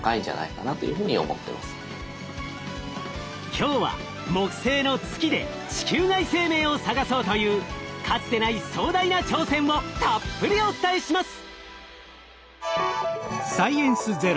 今日は木星の月で地球外生命を探そうというかつてない壮大な挑戦をたっぷりお伝えします。